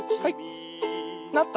はい。